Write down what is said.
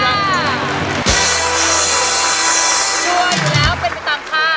ชัวร์อยู่แล้วเป็นประตำภาษณ์